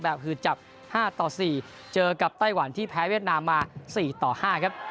ฮือจับ๕ต่อ๔เจอกับไต้หวันที่แพ้เวียดนามมา๔ต่อ๕ครับ